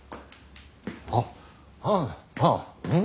あっああああうん。